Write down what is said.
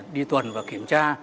đi tuần và kiểm tra